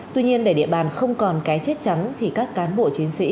tuy nhiên để địa bàn không còn cái chết trắng thì các cán bộ chiến sĩ